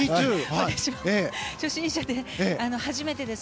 私も初心者で、初めてです。